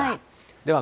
では